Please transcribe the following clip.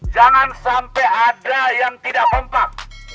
jangan sampai ada yang tidak kompak